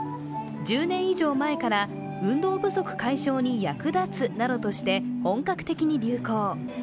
１０年以上前から、運動不足解消に役立つなどとして本格的に流行。